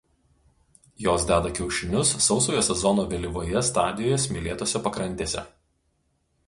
Jos deda kiaušinius sausojo sezono vėlyvoje stadijoje smėlėtose pakrantėse.